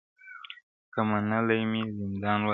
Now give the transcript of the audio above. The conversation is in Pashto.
• که منلی مي زندان وای -